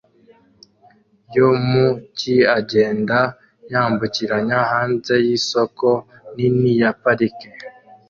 yo mu cyi agenda yambukiranya hanze yisoko nini ya parike